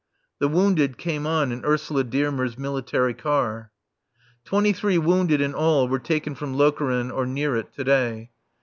The wounded came on in Ursula Dearmer's military car. Twenty three wounded in all were taken from Lokeren or near it to day.